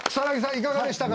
いかがでしたか？